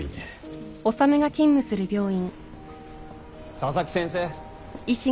・佐々木先生。